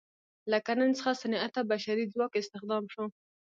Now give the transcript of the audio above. له کرنې څخه صنعت ته بشري ځواک استخدام شو.